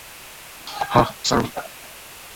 হাহ, sir?